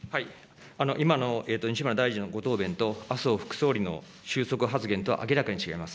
今の西村大臣のご答弁と、麻生副総理の収束発言とは明らかに違います。